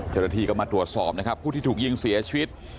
เจ้าหน้าที่ก็มาตรวจสอบนะครับผู้ที่ถูกยิงเสียชีวิต